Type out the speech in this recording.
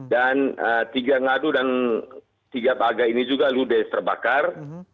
dan tiga ngadu dan tiga paga ini juga lude terbakar